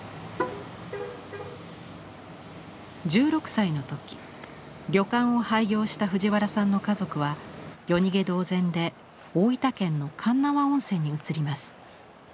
１６歳の時旅館を廃業した藤原さんの家族は夜逃げ同然で大分県の鉄輪温泉に移ります。